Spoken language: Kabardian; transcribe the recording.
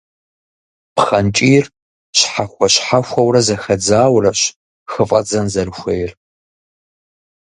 Пхъэнкӏийр, щхьэхуэ-щхьэхуэурэ зэхэдзаурэщ хыфӏэдзэн зэрыхуейр.